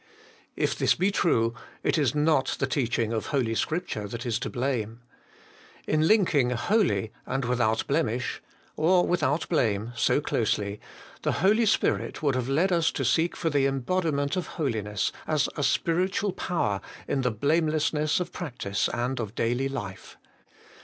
If this be true, it is not the teaching of Holy Scripture that is to blame. In linking holy and without blemish (or without blame) so closely, the Holy Spirit would have led us to seek 222 HOLY IN CHRIST. for the embodiment of holiness as a spiritual power in the blamelessness of practice and of daily life.